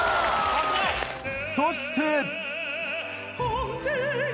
そして！